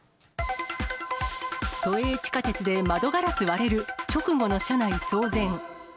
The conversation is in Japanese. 都営地下鉄で窓ガラス割れる、直後の車内騒然。